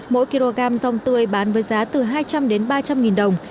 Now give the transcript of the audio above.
mỗi kg rong tươi bán với giá từ hai trăm linh đến ba trăm linh nghìn đồng